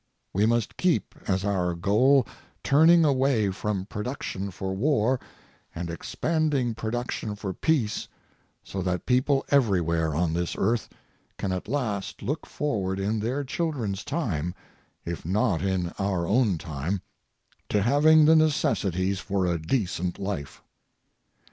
We must keep as our goal turning away from production for war and expanding production for peace so that people everywhere on this earth can at last look forward in their children's time, if not in our own time, to having the necessities for a decent life.